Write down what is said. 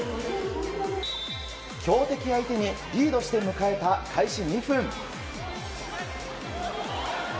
強敵相手にリードして迎えた開始２分。